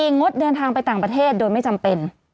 งดเดินทางไปต่างประเทศโดยไม่จำเป็น